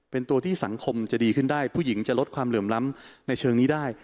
เป็นตัวที่สังคมจะดีขึ้นได้ผู้หญิงจะลดความเหลื่อมล้ำในเชิงนี้ได้